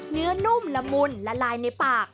นุ่มละมุนละลายในปาก